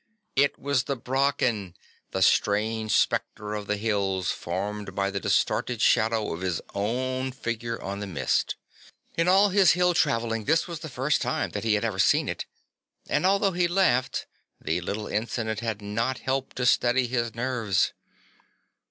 It was the brocken, the strange spectre of the hills formed by the distorted shadow of his own figure on the mist! In all his hill travelling this was the first time he had ever seen it; and, although he laughed, the little incident had not helped to steady his nerves.